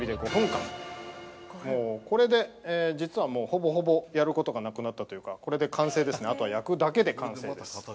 ◆ほぼほぼ、やることがなくなったというか、これで完成ですね、あと焼くだけで完成です。